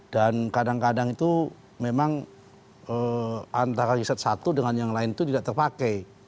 dan kadang kadang itu memang antara riset satu dengan yang lain itu tidak terpakai